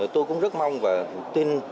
tôi cũng rất mong và tin